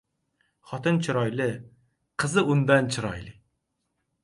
• Xotin chiroyli, qizi undan chiroyli.